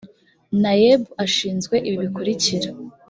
naeb ashinzwe ibi bikurikira